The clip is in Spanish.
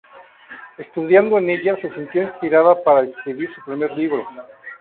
Estudiando en ella se sintió inspirada para escribir su primer libro.